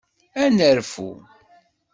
Ad nerfu.